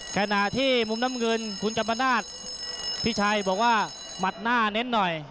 ขณะที่มุมน้ำเงินคุณกัมปนาศพี่ชัยบอกว่าหมัดหน้าเน้นหน่อย